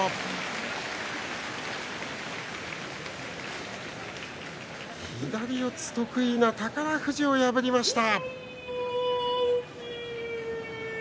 拍手左四つ得意な宝富士を破りました。